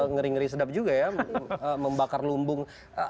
ngeri ngeri sedap juga ya membakar lumbung